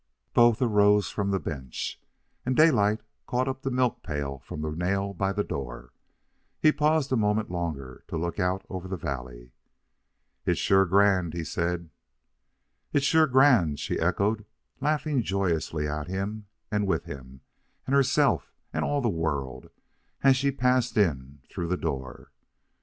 Both arose from the bench, and Daylight caught up the milk pail from the nail by the door. He paused a moment longer to look out over the valley. "It's sure grand," he said. "It's sure grand," she echoed, laughing joyously at him and with him and herself and all the world, as she passed in through the door.